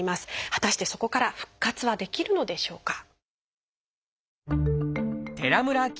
果たしてそこから復活はできるのでしょうか？